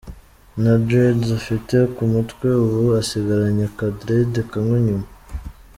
Nta Dreads afite ku mutwe, ubu asigaranye aka dread kamwe inyuma.